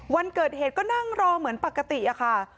วันเกิดเหตุก็นั่งรอเหมือนปกติอะค่ะ